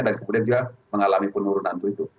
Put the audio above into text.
dan kemudian dia mengalami penurunan itu